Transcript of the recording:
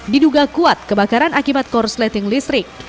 diduga kuat kebakaran akibat korsleting listrik